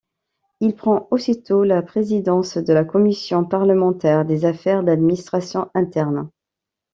Il prend aussitôt la présidence de la commission parlementaire des affaires d'administration interne.